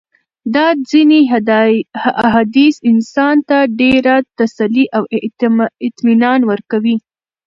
دا ځېني احاديث انسان ته ډېره تسلي او اطمنان ورکوي